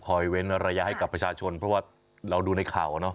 เว้นระยะให้กับประชาชนเพราะว่าเราดูในข่าวเนาะ